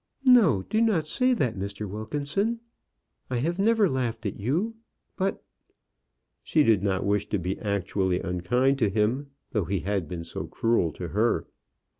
"No; do not say that, Mr. Wilkinson. I have never laughed at you. But " She did not wish to be actually unkind to him, though he had been so cruel to her.